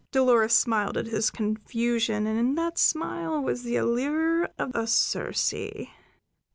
Dolores smiled at his confusion, and in that smile was the allure of a Circe.